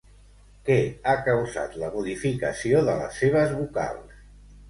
Què ha causat la modificació de les seves vocals?